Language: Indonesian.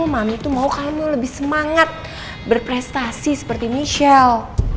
mami tuh mau kamu lebih semangat berprestasi seperti michelle